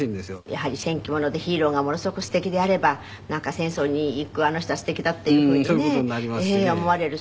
やはり戦記物でヒーローがものすごくすてきであればなんか戦争に行くあの人はすてきだっていうふうにね思われる。